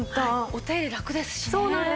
お手入れラクですしね。